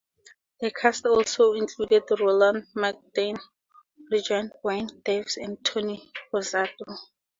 The cast also included Roland Magdane, Geraint Wyn Davies and Tony Rosato.